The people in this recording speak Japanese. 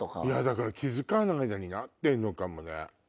だから気付かない間になってるのかもね。